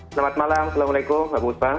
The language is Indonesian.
selamat malam assalamualaikum mbak buspa